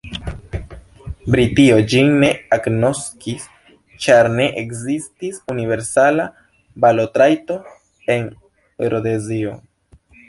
Britio ĝin ne agnoskis, ĉar ne ekzistis universala balotrajto en Rodezio.